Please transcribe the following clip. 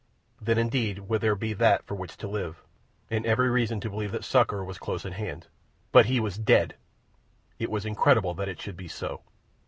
Then, indeed, would there be that for which to live, and every reason to believe that succour was close at hand—but he was dead! It was incredible that it should be so.